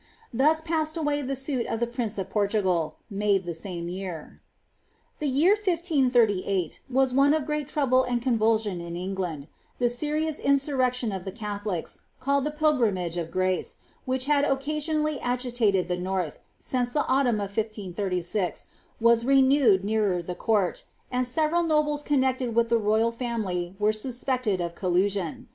Thus passed away the suit of the prince of Portugal, made ihe same year. The year 1538 wos one of great trouble and convulsion in England , the serious insurrection of the Catholics, called the Pilgrimage of Grace, which had occasionally agitated the north, since the autumn of 1536, was renewed nearer the court, and several nobles connected with tha roj al family were suspected of collusion.